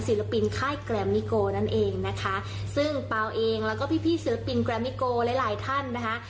ศิลปินค่ายแกรมมิโกนั่นเองนะคะซึ่งเปล่าเองแล้วก็พี่พี่ศิลปินแกรมมิโกหลายหลายท่านนะคะ